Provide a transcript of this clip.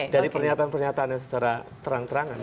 dari pernyataan pernyataannya secara terang terangan